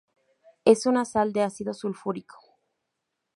Es una sal de ácido sulfúrico.